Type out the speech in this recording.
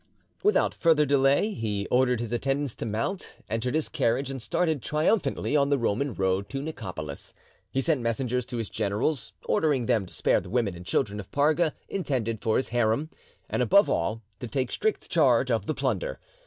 Without further delay he ordered his attendants to mount, entered his carriage, and started triumphantly on the Roman road to Nicopolis. He sent messengers to his generals, ordering them to spare the women and children of Parga, intended for his harem, and above all to take strict charge of the plunder.